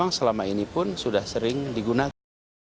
yang selama ini pun sudah sering digunakan